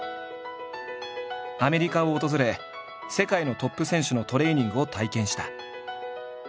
アメリカを訪れ世界のトップ選手のトレーニングを体験した。